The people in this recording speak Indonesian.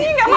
ih gak mau